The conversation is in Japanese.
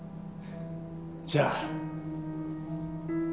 じゃあ。